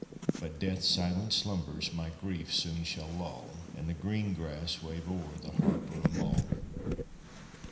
But death's silent slumbers my grief soon shall lull An' the green grass wave o'er the Harper o' Mull.